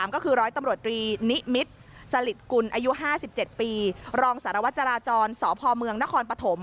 ก็คือร้อยตำรวจตรีนิมิตรสลิดกุลอายุ๕๗ปีรองสารวัตรจราจรสพเมืองนครปฐม